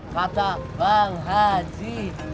kata bang haji